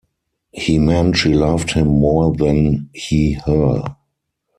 He meant she loved him more than he her.